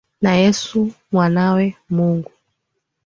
Na Yesu Mwanawe Mungu.